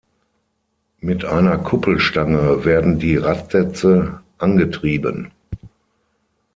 Mit einer Kuppelstange werden die Radsätze angetrieben.